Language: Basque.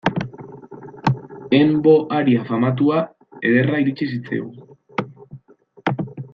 En vo aria famatua ederra iritsi zitzaigun.